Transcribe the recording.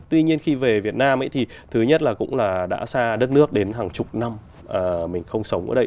tuy nhiên khi về việt nam thì thứ nhất là cũng là đã xa đất nước đến hàng chục năm mình không sống ở đây